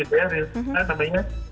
nah sebutnya namanya